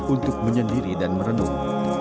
untuk menyendiri dan merenung